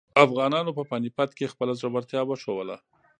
افغانانو په پاني پت کې خپله زړورتیا وښودله.